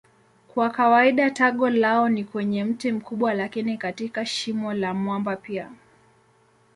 Kwa kawaida tago lao ni kwenye mti mkubwa lakini katika shimo la mwamba pia.